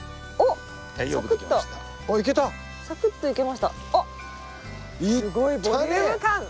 すごいボリューム感！